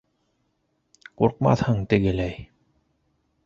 Ҡурҡмаҫһың тегеләй!